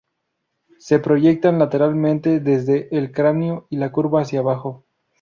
Se proyectan lateralmente desde el cráneo y la curva hacia abajo.